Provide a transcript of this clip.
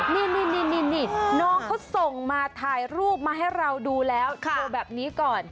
นี่น้องเขาส่งมาถ่ายรูปมาให้เราดูแล้วโชว์แบบนี้ก่อน